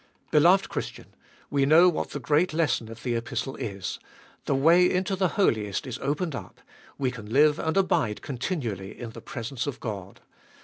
Beloved Christian, we know what the great lesson of the Epistle is : the way into the Holiest is opened up, we can live and abide continually in the presence of God.